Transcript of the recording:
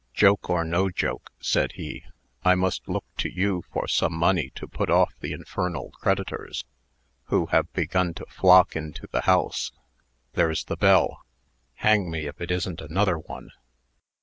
"Joke or no joke," said he, "I must look to you for some money to put off the infernal creditors, who have begun to flock into the house. There's the bell. Hang me, if it isn't another one!